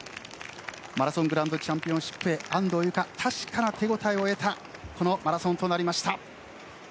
マラソングランドチャンピオンシップへ安藤友香、確かな手応えを得たこのマラソンとなりました。